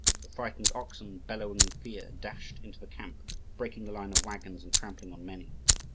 The frightened oxen, bellowing with fear, dashed into the camp, breaking the line of waggons and trampling on many.